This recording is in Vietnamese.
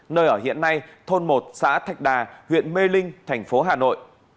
nơi ở hiện nay thôn một xã thạch đà huyện mê linh thành phố hà nội